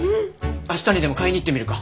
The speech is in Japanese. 明日にでも買いに行ってみるか！